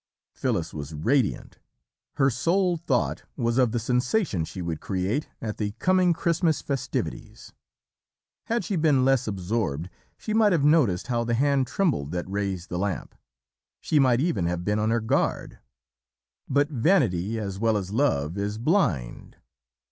"Phyllis was radiant; her sole thought was of the sensation she would create at the coming Christmas festivities. Had she been less absorbed she might have noticed how the hand trembled that raised the lamp; she might even have been on her guard. "But vanity as well as love is blind.